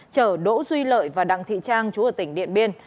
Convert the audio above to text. chở đỗ duy lợi và đặng thị trang chú ở tỉnh điện biên